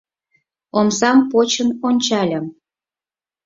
Омсам почын ончальым -